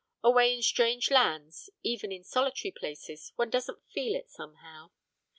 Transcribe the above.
Away in strange lands, even in solitary places, one doesn't feel it somehow.